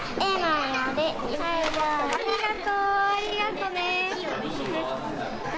ありがとうね。